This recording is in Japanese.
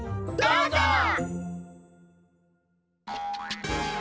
どうぞ！